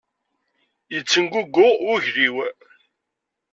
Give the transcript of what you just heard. Yettengugu wugel-iw.